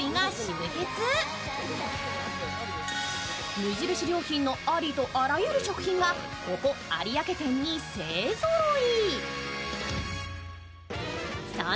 無印良品のありとあらゆる食品がここ有明店に勢ぞろい！